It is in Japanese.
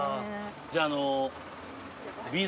じゃああの。